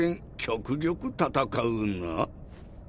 極力戦うな。